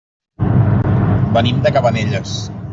Venim de Cabanelles.